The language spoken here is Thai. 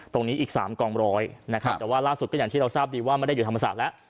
อีก๓กองร้อยนะครับแต่ว่าล่าสุดก็อย่างที่เราทราบดีว่าไม่ได้อยู่ธรรมศาสตร์แล้ว